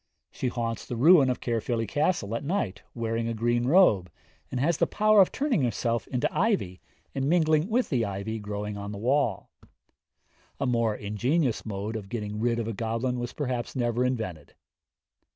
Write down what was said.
She haunts the ruin of Caerphilly Castle at night, wearing a green robe, and has the power of turning herself into ivy and mingling with the ivy growing on the wall. A more ingenious mode of getting rid of a goblin was perhaps never invented.